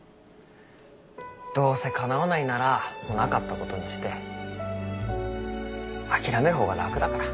どうせかなわないならなかったことにして諦める方が楽だから。